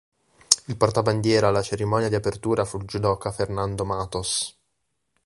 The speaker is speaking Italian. Il portabandiera alla cerimonia di apertura fu il judoka Fernando Matos.